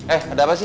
eh ada apa sih